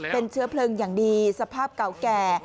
เป็นเชื้อเพลิงอย่างดีสภาพเก่าแก่